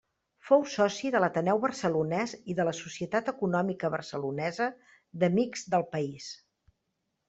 Fou soci de l'Ateneu Barcelonès i de la Societat Econòmica Barcelonesa d'Amics del País.